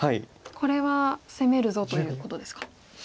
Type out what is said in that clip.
これは攻めるぞということですか。